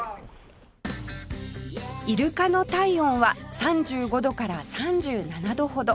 イルカの体温は３５度から３７度ほど